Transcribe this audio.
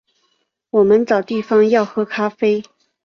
我们找地方要喝咖啡